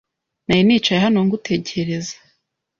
Nari nicaye hano ngutekereza.